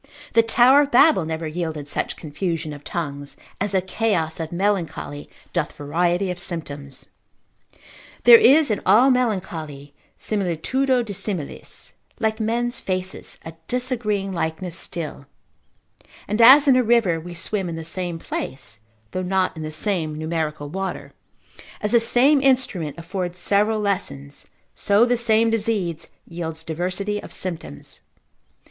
The tower of Babel never yielded such confusion of tongues, as the chaos of melancholy doth variety of symptoms. There is in all melancholy similitudo dissimilis, like men's faces, a disagreeing likeness still; and as in a river we swim in the same place, though not in the same numerical water; as the same instrument affords several lessons, so the same disease yields diversity of symptoms.